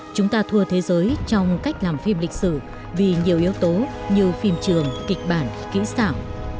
chúng ta thua thế giới trong cách làm phim lịch sử vì nhiều yếu tố như phim trường kịch bản kỹ xảo